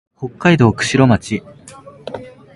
北海道釧路町